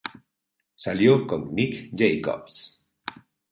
Salió con Nick Jacobs.